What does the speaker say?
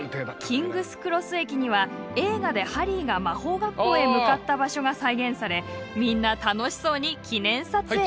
キングス・クロス駅には映画でハリーが魔法学校へ向かった場所が再現されみんな楽しそうに記念撮影！